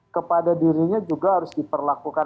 kepada dirinya juga harus diperlakukan